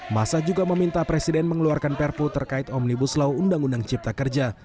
masa juga meminta presiden mengeluarkan perpu terkait omnibus law undang undang cipta kerja